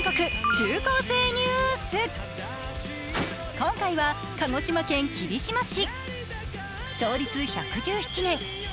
今回は鹿児島県霧島市。